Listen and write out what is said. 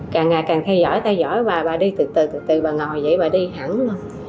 càng ngày càng theo dõi theo dõi bà bà đi từ từ từ từ bà ngồi vậy bà đi hẳn luôn